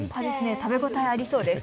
食べ応えありそうですね。